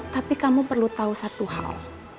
tapi kamu perlu tahu satu hal